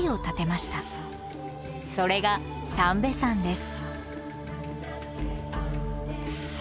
それが三瓶山です